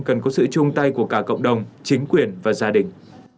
cần có sự chung tay của cả cộng đồng chính quyền và gia đình